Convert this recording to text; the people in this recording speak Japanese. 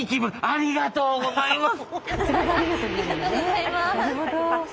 ありがとうございます。